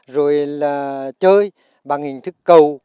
rồi là chơi bằng hình thức cầu